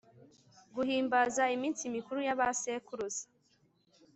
guhimbaza iminsi mikuru y'abasekuruza